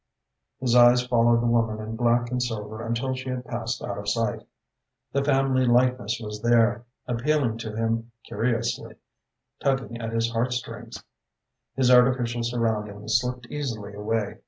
His eyes followed the woman in black and silver until she had passed out of sight. The family likeness was there, appealing to him curiously, tugging at his heartstrings. His artificial surroundings slipped easily away.